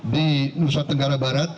di nusa tenggara barat